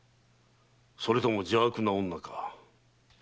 それとも邪悪な女か。